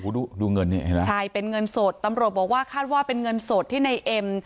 ดูดูเงินนี่เห็นไหมใช่เป็นเงินสดตำรวจบอกว่าคาดว่าเป็นเงินสดที่ในเอ็ม